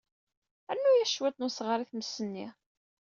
Rnu-as cwiṭ n usɣar i tmes-nni.